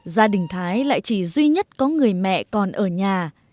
gia đình thái lại chỉ duy nhất có người mẹ còn ở nhà